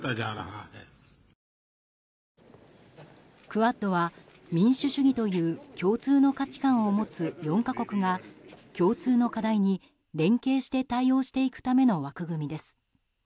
クアッドは民主主義という共通の価値観を持つ４か国が共通の課題に連携して対応していくための枠組みです。